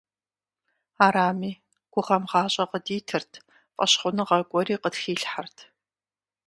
Арами, гугъэм гъащӀэ къыдитырт, фӀэщхъуныгъэ гуэри къытхилъхьэрт.